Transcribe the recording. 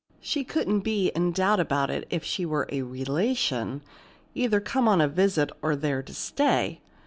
"She couldn't be in doubt about it if she were a relation, either come on a visit or there to stay!"